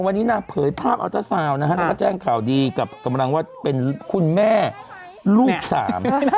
วันนี้นางเผยภาพอัลตะเสาและแจ้งข่าวดีกับกำลังว่าเป็นคุณแม่ลูกสาม